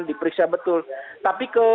diperiksa betul tapi